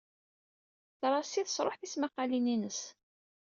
Tracy tesruḥ tismaqalin-ines.